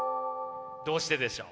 どうしてでしょう？